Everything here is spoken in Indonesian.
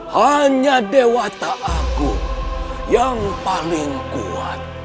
hanya dewa ta'agu yang paling kuat